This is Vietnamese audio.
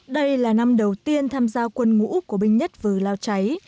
đây là năm đầu tiên tham gia quân ngũ của binh nhất vừ lao cháy